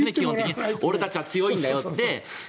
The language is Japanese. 俺たちは強いよって。